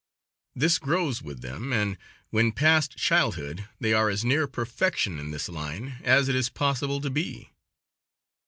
This grows with them, and when past childhood they are as near perfection in this line as it is possible to be.